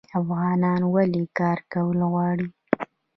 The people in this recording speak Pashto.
افغانان ولې کار کول غواړي؟